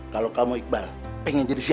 kalau kamu iqbal pengen jadi siapa